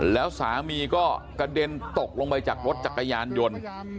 แล้วสามีก็กระเด็นตกลงไปจากรถจักรยานยนต์